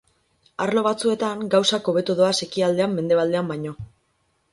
Arlo batzuetan, gauzak hobeto doaz ekialdean mendebaldean baino.